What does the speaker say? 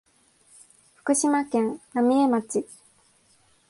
福島県浪江町